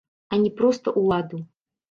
А не проста ўладу.